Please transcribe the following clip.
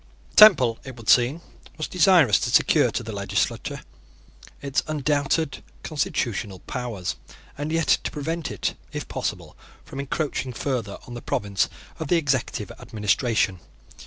Temple, it should seem, was desirous to secure to the legislature its undoubted constitutional powers, and yet to prevent it, if possible, from encroaching further on the province of the executive administration.